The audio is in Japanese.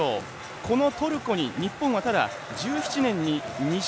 このトルコに、日本はただ１７年に２勝。